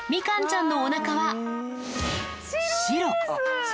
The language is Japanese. みかんちゃんのおなかは白。